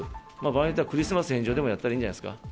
場合によってはクリスマス返上でやったらいいんじゃないですか。